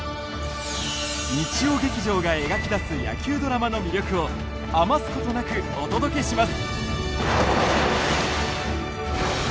日曜劇場が描き出す野球ドラマの魅力を余すことなくお届けします